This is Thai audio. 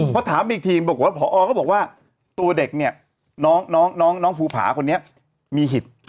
เพราะถามอีกทีบอกว่าผอก็บอกว่าตัวเด็กเนี่ยน้องภูผาคนนี้มีหิต